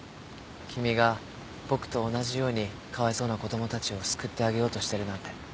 君が僕と同じようにかわいそうな子供たちを救ってあげようとしてるなんて